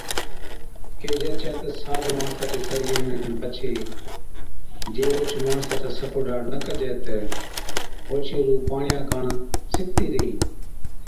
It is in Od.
ڪيھجَي ڇَي تہ ساد ماڻسا چي سرگِي ھُوَڻي کن پڇي جي اوھچ ماڻسا چا سکوڍاڙ نہ ڪجَي تہ اوڇِي روح پاڻِيا (ھوٽي) ڪاڻ سِڪتِي ريھِي